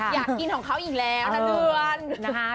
อยากกินของเขาอีกแล้วอะท่านดุวัน